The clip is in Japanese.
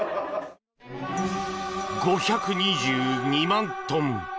５２２万トン。